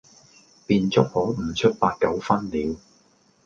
便足可悟出八九分了。